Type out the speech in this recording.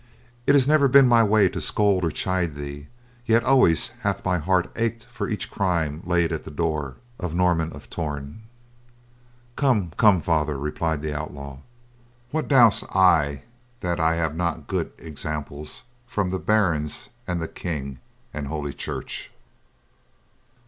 It has never been my way to scold or chide thee, yet always has my heart ached for each crime laid at the door of Norman of Torn." "Come, come, Father," replied the outlaw, "what do I that I have not good example for from the barons, and the King, and Holy Church.